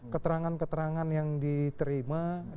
keterangan keterangan yang diterima dari penjelasan penjelasan